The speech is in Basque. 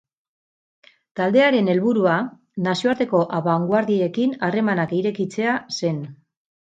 Taldearen helburua nazioarteko abangoardiekin harremanak irekitzea zen.